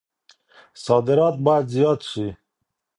صادرات بايد زيات سي.